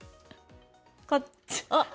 こっち。